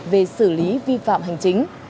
về xử lý vi phạm hành chính